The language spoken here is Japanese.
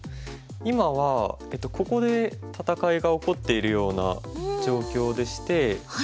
今はここで戦いが起こっているような状況でして。